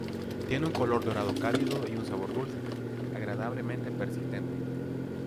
Tiene un color dorado cálido y un sabor dulce, agradablemente persistente.